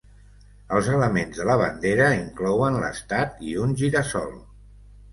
Els elements de la bandera inclouen l'estat i un gira-sol.